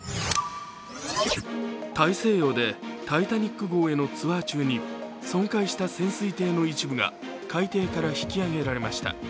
大西洋で「タイタニック」号へのツアー中に損壊した潜水艇の一部が海底から引き揚げられました。